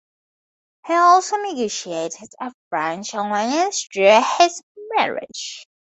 He also negotiated a French alliance through his marriage.